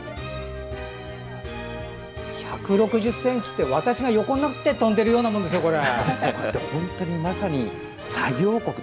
１６０ｃｍって私が横になって飛んでるようなものですよ、これ。